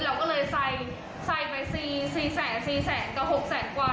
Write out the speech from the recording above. เราก็เลยใส่ไป๔๐๐๐๐๐๖๐๐๐๐๐กว่า